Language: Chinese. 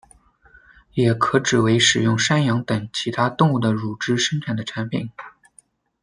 也可指为使用山羊等其他动物的乳汁生产的产品。